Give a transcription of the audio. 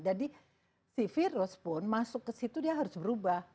jadi si virus pun masuk ke situ dia harus berubah